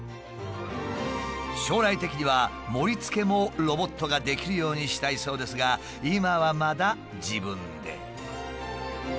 将来的には盛りつけもロボットができるようにしたいそうですが今はまだ自分で。